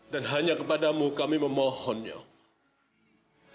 dan hanya kepadamu kami memohon ya allah